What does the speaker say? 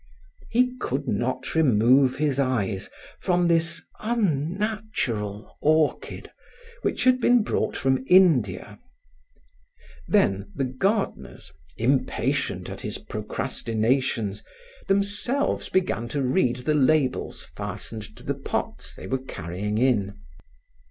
He could not remove his eyes from this unnatural orchid which had been brought from India. Then the gardeners, impatient at his procrastinations, themselves began to read the labels fastened to the pots they were carrying in.